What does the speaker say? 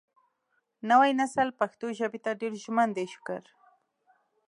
نوی نسل پښتو ژبې ته ډېر ژمن دی شکر